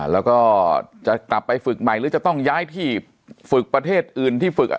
แล้วก็จะกลับไปฝึกใหม่หรือจะต้องย้ายที่ฝึกประเทศอื่นที่ฝึก